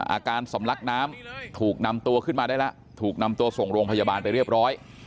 อาการสำลักน้ำถูกนำตัวขึ้นมาได้แล้วถูกนำตัวส่งโรงพยาบาลไปเรียบร้อย